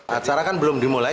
acara kan belum dimulai